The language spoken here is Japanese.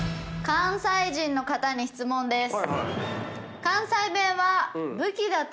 関西人の方に質問です。